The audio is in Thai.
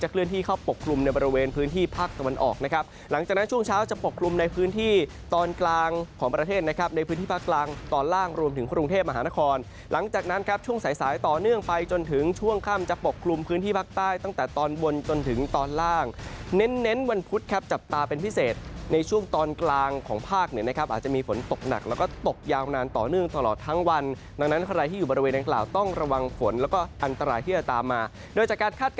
เข้าปกคลุมในบริเวณพื้นที่ภาคสะวันออกนะครับหลังจากนั้นช่วงเช้าจะปกคลุมในพื้นที่ตอนกลางของประเทศนะครับในพื้นที่ภาคกลางตอนล่างรวมถึงกรุงเทพมหานครหลังจากนั้นครับช่วงสายสายต่อเนื่องไปจนถึงช่วงค่ำจะปกคลุมพื้นที่ภาคใต้ตั้งแต่ตอนวนจนถึงตอนล่างเน้นวันพุธครับจ